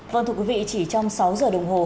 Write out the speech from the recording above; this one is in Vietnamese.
vâng thưa quý vị chỉ trong sáu giờ đồng hồ